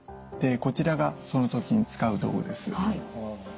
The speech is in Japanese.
こちらがその時に使う道具です。